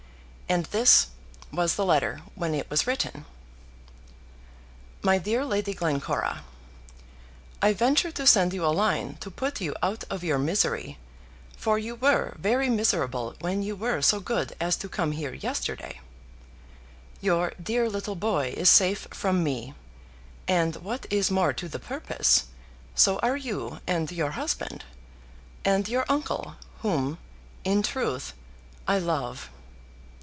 And this was the letter when it was written: MY DEAR LADY GLENCORA, I venture to send you a line to put you out of your misery; for you were very miserable when you were so good as to come here yesterday. Your dear little boy is safe from me; and, what is more to the purpose, so are you and your husband, and your uncle, whom, in truth, I love.